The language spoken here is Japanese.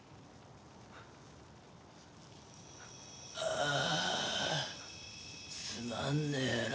ああつまんねえな。